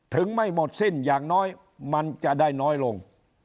ไม่หมดสิ้นอย่างน้อยมันจะได้น้อยลง